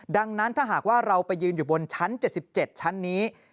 ดังนั้นถ้าหากว่าเราไปยืนอยู่บนชั้น๗๗ชั้นนี้